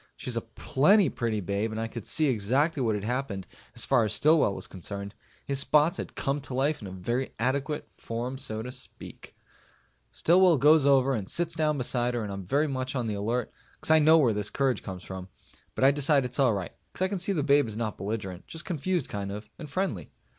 She's a plenty pretty babe and I could see exactly what had happened as far as Stillwell was concerned. His spots had come to life in very adequate form so to speak. Stillwell goes over and sits down beside her and I'm very much on the alert, because I know where his courage comes from. But I decide it's all right, because I see the babe is not belligerent, just confused kind of. And friendly.